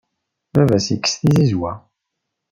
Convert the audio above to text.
Baba-s ikess tizizwa.